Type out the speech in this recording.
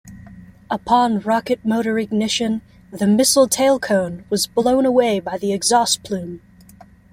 Upon rocket motor ignition, the missile tailcone was blown away by the exhaust plume.